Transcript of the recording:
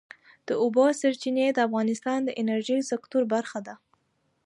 د اوبو سرچینې د افغانستان د انرژۍ سکتور برخه ده.